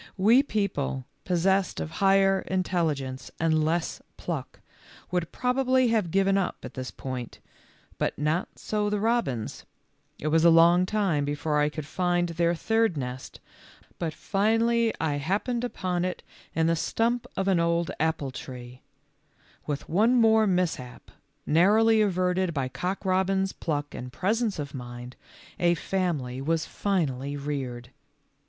We people, possessed of higher intelligence and less pluck, would prob ably have given up at this point, but not so the robins. It was a long time before I could find their third nest, but finally I happened COCK ROBIN AND BROWNIE FOUGHT BRAVELY. HOW COCK ROBIN SAVED HIS FAMILY. 47 upon it in the stump of an old apple tree. "With one more mishap, narrowly averted by Cock robin's pluck and presence of mind, a family was finally reared.